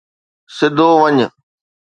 سڌو وڃ